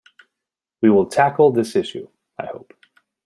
We will tackle this issue, I hope.